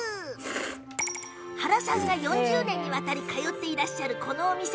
原さんが４０年にわたって通っているという、このお店。